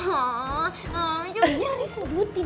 mama jangan disebutin